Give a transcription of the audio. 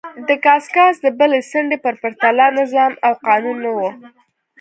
د کاساس د بلې څنډې په پرتله نظم او قانون نه و